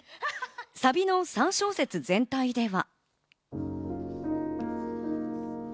サビの３小節全体では。